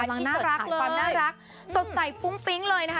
ความน่ารักสดใสพุ้งปิ๊งเลยนะคะ